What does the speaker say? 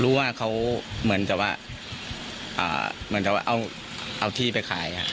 รู้ว่าเขาเหมือนจะว่าอ่าเหมือนจะว่าเอาเอาที่ไปขายครับ